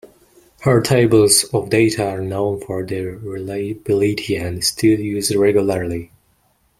Her tables of data are known for their reliability and still used regularly.